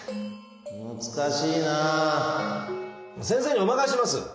先生にお任せします！